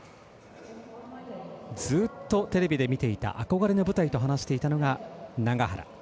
ずっとテレビで見ていた憧れの舞台と話していたのが永原。